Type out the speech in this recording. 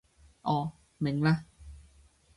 哦，明嘞